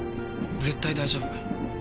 絶対大丈夫。